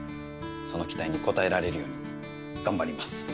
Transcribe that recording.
その期待に応えられるように頑張ります。